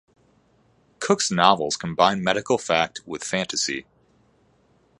Cooks novels combine medical fact with fantasy.